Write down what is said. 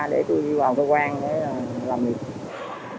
để tôi đi vào cơ quan để làm việc